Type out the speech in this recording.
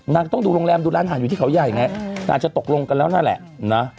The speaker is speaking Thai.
ต้องดูโรงแรมดูร้านอาหารอยู่ที่เขาใหญ่ไงนางจะตกลงกันแล้วนั่นแหละนะ